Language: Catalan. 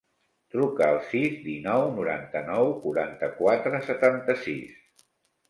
Truca al sis, dinou, noranta-nou, quaranta-quatre, setanta-sis.